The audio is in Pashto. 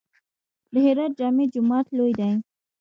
د هرات جامع جومات لوی دی